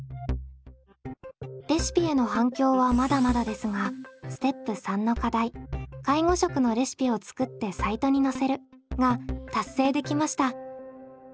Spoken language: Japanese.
レシピへの反響はまだまだですがステップ３の課題介護食のレシピを作ってサイトにのせるが達成できました。